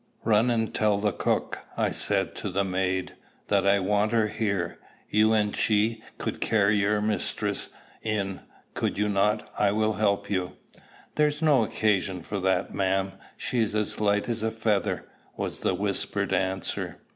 "Run and tell the cook," I said to the maid, "that I want her here. You and she could carry your mistress in, could you not? I will help you." "There's no occasion for that, ma'am: she's as light as a feather," was the whispered answer.